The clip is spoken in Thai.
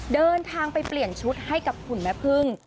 เดินทางไปเปลี่ยนชุดให้กับหุ่นแม่พึ่ง